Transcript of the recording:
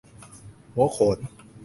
หัวโขน